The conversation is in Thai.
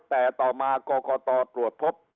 แต่ต่อมาก็ก็ตอบปรวจพบ